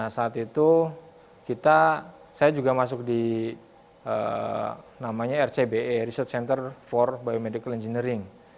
saat itu saya juga masuk di namanya rcbe research center for biomedical engineering